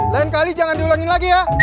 lain kali jangan diulangin lagi ya